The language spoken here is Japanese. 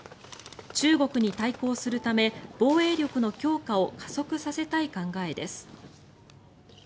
中国に対抗するため防衛力の強化を加速させたい考えです。